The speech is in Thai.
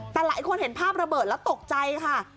แต่หลายคนเห็นภาพระเบิดแล้วตกใจค่ะ